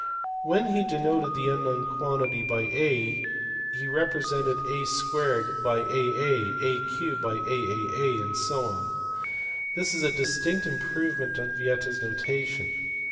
When he denoted the unknown quantity by a he represented a 2 by aa, a* by aaa, and so on. This is a distinct improvement on Vieta s notation.